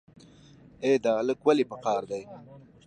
ای دا الک ولې په قار دی.